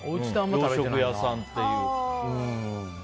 洋食屋さんっていう。